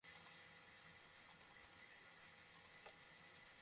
আপনি একজন বিচক্ষণ বিজ্ঞানী হিসেবে আমাদেরকে কিছু জানাতে পারবেন?